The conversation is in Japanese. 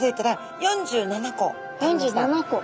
４７個。